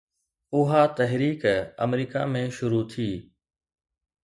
اها تحريڪ آمريڪا ۾ شروع ٿي